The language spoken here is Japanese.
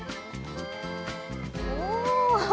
お！